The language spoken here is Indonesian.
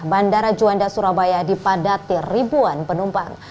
bandara juanda surabaya dipadati ribuan penumpang